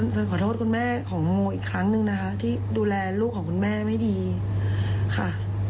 ขอโทษคุณแม่ของโมอีกครั้งหนึ่งนะคะที่ดูแลลูกของคุณแม่ไม่ดีค่ะ